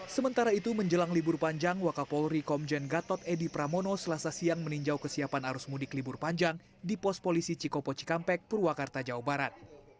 sementara itu menjelang libur panjang wakapolri komjen gatot edi pramono selasa siang meninjau kesiapan arus mudik libur panjang di pos polisi cikopo cikampek purwakarta jawa barat